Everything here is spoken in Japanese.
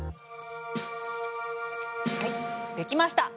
はい出来ました！